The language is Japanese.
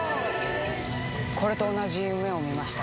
これと同じ夢を見ました。